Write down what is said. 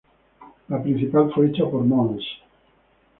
La principal fue hecha por Mons.